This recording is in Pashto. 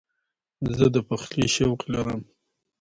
زه د پخلي شوق لرم.